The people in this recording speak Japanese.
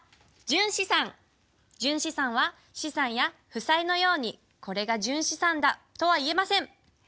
純資産は資産や負債のようにこれが純資産だとはいえません。